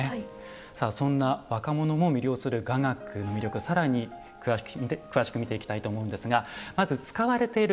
さあそんな若者も魅了する雅楽の魅力更に詳しく見ていきたいと思うんですがまず使われている